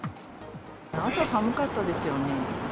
朝は寒かったですよね。